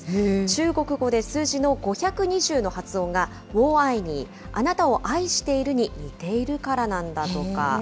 中国語で数字の５２０の発音が、ウォー・アイ・ニー、あなたを愛しているに似ているからなんだとか。